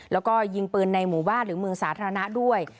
แล้วก็ยิงปืนในหมู่บ้านหรือเมืองสาธารณะด้วย